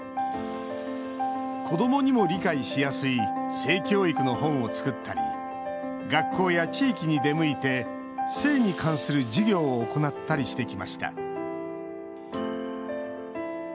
子どもにも理解しやすい性教育の本を作ったり学校や地域に出向いて性に関する授業を行ったりしてきました。